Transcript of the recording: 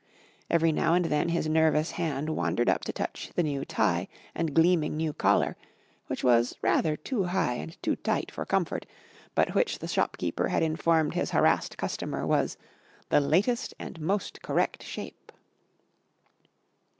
Every now and then his nervous hand wandered up to touch the new tie and gleaming new collar, which was rather too high and too tight for comfort, but which the shopkeeper had informed his harassed customer was the "latest and most correct shape."